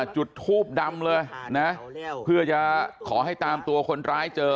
จุดทูบดำเลยนะเพื่อจะขอให้ตามตัวคนร้ายเจอ